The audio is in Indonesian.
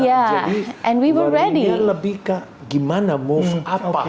jadi larinya lebih ke gimana move apa